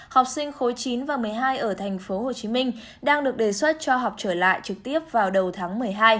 học sinh khối chín và một mươi hai ở tp hcm đang được đề xuất cho học trở lại trực tiếp vào đầu tháng một mươi hai